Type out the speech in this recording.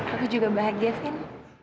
aku juga bahagia fien